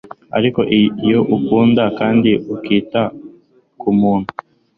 ariko iyo ukunda kandi ukita kumuntu